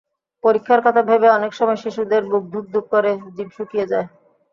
পরীক্ষার কথা ভেবে অনেক সময় শিশুদের বুক ধুকধুক করে, জিব শুকিয়ে যায়।